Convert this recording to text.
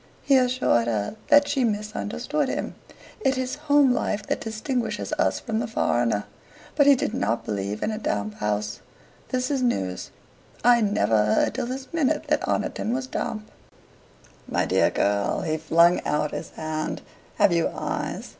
He assured her that she misunderstood him. It is home life that distinguishes us from the foreigner. But he did not believe in a damp home. "This is news. I never heard till this minute that Oniton was damp." "My dear girl!" he flung out his hand "have you eyes?